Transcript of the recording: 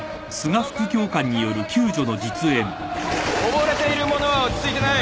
溺れている者は落ち着いてない。